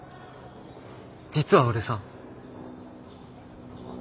実は俺さ。